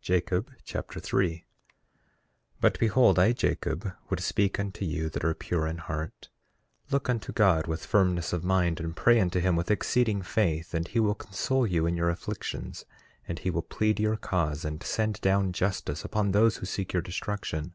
Jacob Chapter 3 3:1 But behold, I, Jacob, would speak unto you that are pure in heart. Look unto God with firmness of mind, and pray unto him with exceeding faith, and he will console you in your afflictions, and he will plead your cause, and send down justice upon those who seek your destruction.